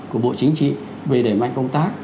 của bộ chính trị về đẩy mạnh công tác